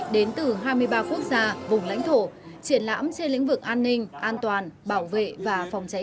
đến từ hai mươi ba quốc gia vùng lãnh thổ triển lãm trên lĩnh vực an ninh an toàn bảo vệ và phòng cháy